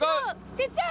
ちっちゃい！